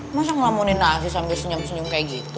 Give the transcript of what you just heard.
masa ngelamonin nasi sambil senyum senyum kayak gitu